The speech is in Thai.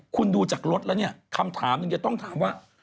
คุณดูจากรถแล้วเนี่ยคำถามหนึ่งจะต้องถามว่า